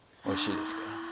おいしいですから。